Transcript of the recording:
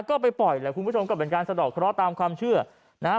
ก็ไปปล่อยแหละคุณผู้ชมก็เป็นการสะดอกเคราะห์ตามความเชื่อนะฮะ